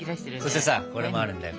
そしてさこれもあるんだよ